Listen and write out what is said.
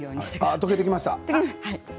溶けてきました。